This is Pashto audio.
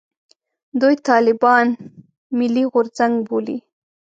دوی طالبان «ملي غورځنګ» بولي.